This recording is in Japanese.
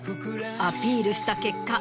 アピールした結果